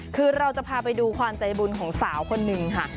คือเราจะพาไปดูความใจบุญของสาวคนหนึ่งค่ะ